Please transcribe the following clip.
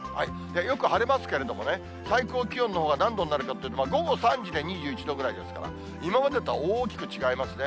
よく晴れますけれどもね、最高気温のほうは何度になるかというと、午後３時で２１度くらいですから、今までとは大きく違いますね。